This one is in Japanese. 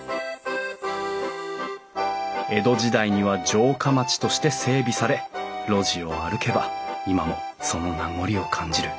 江戸時代には城下町として整備され路地を歩けば今もその名残を感じる。